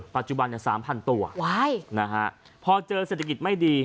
ปัจจุบันเนี่ยสามพันตัววายนะฮะพอเจอเศรษฐกิจไม่ดี